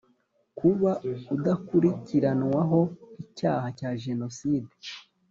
kuba adakurikiranwaho icyaha cya jenoside;